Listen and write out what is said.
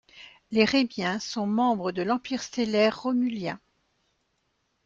Les Rémiens sont membres de l'Empire Stellaire Romulien.